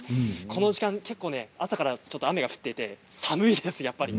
この時間、結構朝から雨が降っていて寒いんです、やっぱり。